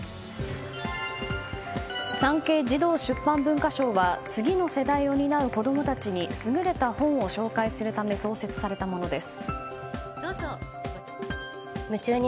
産経児童出版文化賞は次の時代を担う子供たちに優れた本を紹介するため創設されたものです。